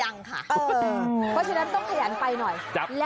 น่าจะยังค่ะ